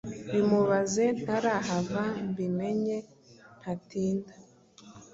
Bimubaze ntaravaha mbimenye ntatinda